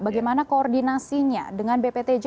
bagaimana koordinasinya dengan bptj